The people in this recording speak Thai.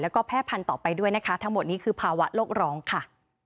แล้วก็แพร่พันธุ์ต่อไปด้วยนะคะทั้งหมดนี้คือภาวะโลกร้องค่ะ